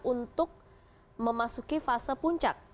untuk memasuki fase puncak